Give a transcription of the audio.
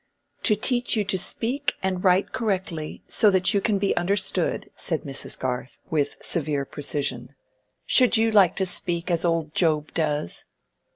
"To teach you to speak and write correctly, so that you can be understood," said Mrs. Garth, with severe precision. "Should you like to speak as old Job does?"